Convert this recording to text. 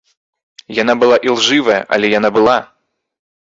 Яна была ілжывая, але яна была!